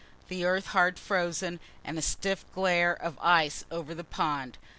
The earth hard frozen, and a stiff glare of ice over the pond.